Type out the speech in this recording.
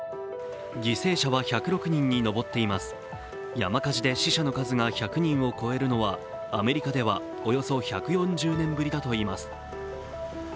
犠牲者は１０６人に上っています山火事で死者の数が１００人を超えるのはアメリカではおよそ１４０年ぶりだといいます。